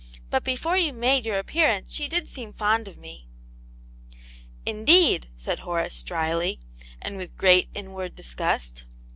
But before you made your appearance she did seem fond of me." " Indeed 1" said Horace, dryly, and with great inward disgust.